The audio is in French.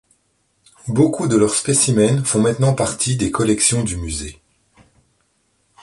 Beaucoup de leurs spécimens font maintenant partie des collections du musée.